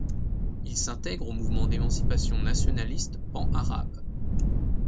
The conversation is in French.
Il s'intègre au mouvement d'émancipation nationaliste pan-arabe.